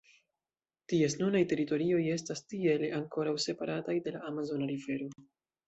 Ties nunaj teritorioj estas tiele ankoraŭ separataj de la Amazona rivero.